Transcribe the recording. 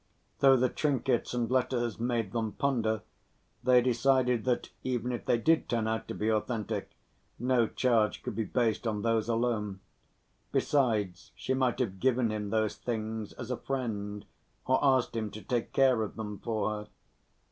Though the trinkets and letters made them ponder, they decided that even if they did turn out to be authentic, no charge could be based on those alone. Besides, she might have given him those things as a friend, or asked him to take care of them for her.